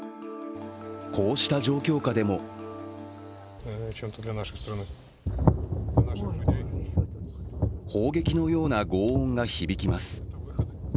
こうした状況下でも砲撃のようなごう音が響きます。